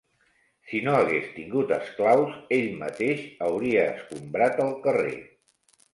Si no hagués tingut esclaus, ell mateix hauria escombrat el carrer.